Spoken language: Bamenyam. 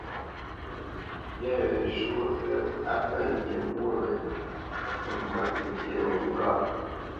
Myâ wě zhwôʼ lə́ á pə̂ ŋgi mwô wě, á cû mbwǎ tənkyé wéghó ŋgâʼ.